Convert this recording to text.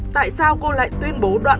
tại sao cô lại tuyên bố đoạn